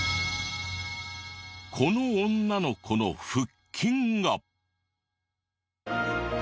この女の子の腹筋が。